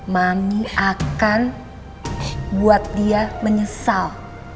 mami akan buat dia menyesal